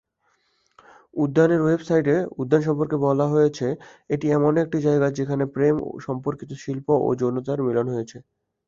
উদ্যানের ওয়েবসাইটে উদ্যান সম্পর্কে বলা হয়েছে "এটি এমন একটি জায়গা যেখানে প্রেম সম্পর্কিত শিল্প ও যৌনতার মিলন হয়েছে।"